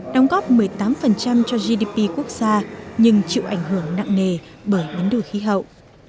đóng góp một mươi tám cho gdp quốc gia nhưng chịu ảnh hưởng nặng nề bởi biến đổi khí hậu